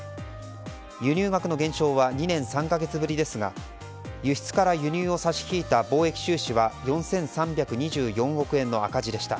輸入額の減少は２年３か月ぶりですが輸出から輸入を差し引いた貿易収支は４３２４億円の赤字でした。